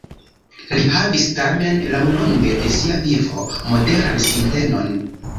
Li havis tamen laŭlonge de sia vivo moderan sintenon.